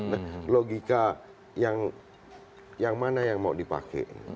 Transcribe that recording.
nah logika yang mana yang mau dipakai